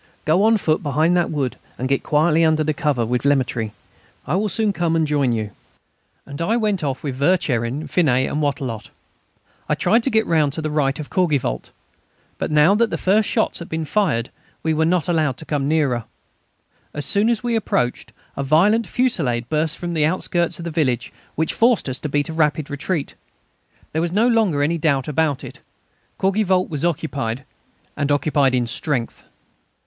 Go on foot behind that wood, and get quietly under cover with Lemaître. I will soon come and join you." And I went off with Vercherin, Finet, and Wattrelot. I tried to get round to the right of Courgivault. But now that the first shots had been fired we were not allowed to come nearer. As soon as we appeared a violent fusillade burst from the outskirts of the village, which forced us to beat a rapid retreat. There was no longer any doubt about it; Courgivault was occupied, and occupied in strength.